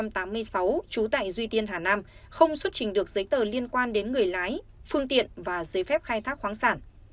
trú tại duy tiên hà nam không xuất trình được giấy tờ liên quan đến người lái phương tiện và giấy phép khai thác khoáng sản